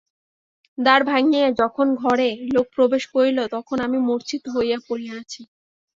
দ্বার ভাঙিয়া যখন ঘরে লোক প্রবেশ করিল তখন আমি মূর্ছিত হইয়া পড়িয়া আছি।